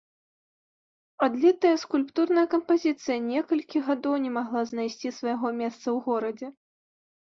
Адлітая скульптурная кампазіцыя некалькі гадоў не магла знайсці свайго месца ў горадзе.